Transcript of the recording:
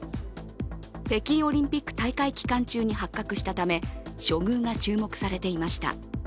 北京オリンピック大会期間中に発覚したため処遇が注目されていました。